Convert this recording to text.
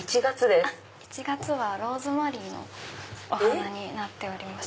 １月はローズマリーのお花になっております。